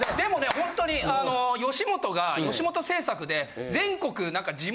ホントに吉本が吉本制作で全国。